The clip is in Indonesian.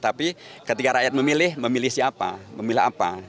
tapi ketika rakyat memilih memilih siapa memilih apa